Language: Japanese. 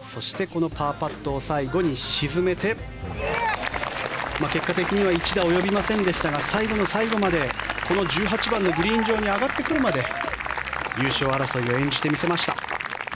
そして、このパーパットを最後に沈めて結果的には１打及びませんでしたが最後の最後までこの１８番のグリーン上に上がってくるまで優勝争いを演じてみせました。